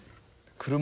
車。